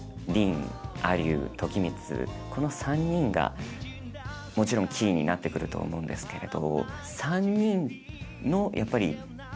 この３人がもちろんキーになってくると思うんですけれど。